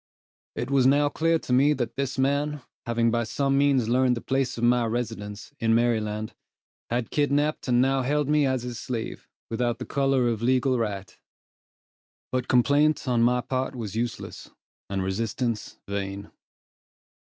It was now clear to me that this man, having by some means learned the place of my residence, in Maryland, had kidnapped and now held me as his slave, without the color of legal right; but complaint on my part was useless, and resistance vain.